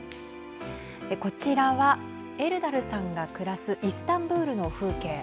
こちらは、エルダルさんが暮らすイスタンブールの風景。